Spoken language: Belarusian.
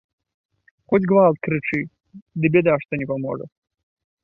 Хоць гвалт крычы, ды бяда, што не паможа.